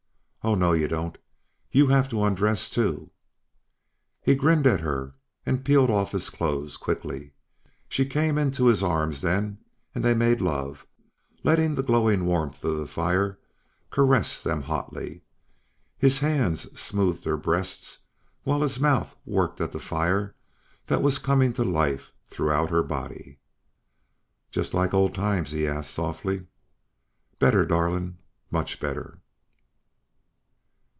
"Oh, no, you don't. You have to undress too." He grinned at her and peeled off his clothes quickly. She came into his arms then and they made love, letting the glowing warmth of the fire caress them hotly. His hands smoothed her breasts while his mouth worked at the fire that was coming to life throughout her body. "Just like old times?" He asked, softly. "Better, darling ... much better."